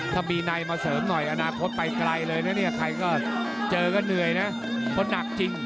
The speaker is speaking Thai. ถ้ามีในมาเสริมหน่อยอนาคตไปไกลเลยนะเนี่ยใครก็เจอก็เหนื่อยนะเพราะหนักจริง